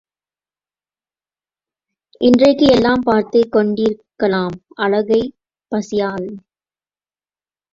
இன்றைக்கு எல்லாம் பார்த்துக் கொண்டிருக்கலாம் அழகை பசியாது.